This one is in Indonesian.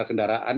ya itu kendaraan